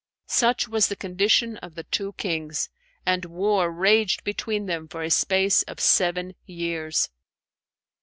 Such was the condition of the two Kings, and war raged between them for a space of seven years."